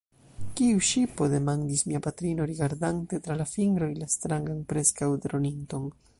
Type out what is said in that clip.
Kiu ŝipo? demandis mia patrino, rigardante tra la fingroj la strangan preskaŭ-droninton.